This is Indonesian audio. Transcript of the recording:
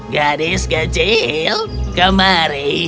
gadis kecil kemari